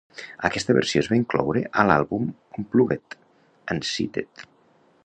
Aquesta versió es va incloure a l'àlbum "Unplugged...and Seated".